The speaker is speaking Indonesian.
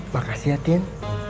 makasih ya tin